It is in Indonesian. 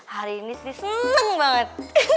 hari ini seneng banget